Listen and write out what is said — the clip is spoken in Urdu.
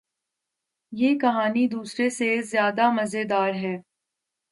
یہ کہانی دوسرے سے زیادو مزیدار ہے